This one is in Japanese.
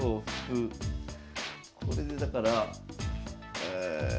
これでだからえ。